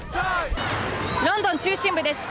ロンドン中心部です。